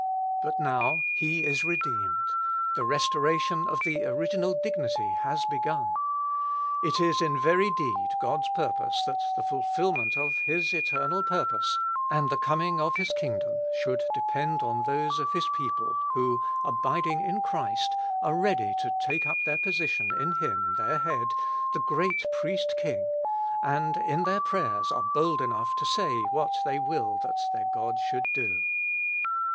But now he is redeemed ; the restoration of the original dignity has begun. It is in very deed God's purpose that the fulfilment of His eternal purpose, and the coming of His kingdom, should depend on those of His people who, abiding in Christ, are ready to take up their position in Him their Head, the great Priest King, and in their prayers are bold enough to say what they will that their God should do.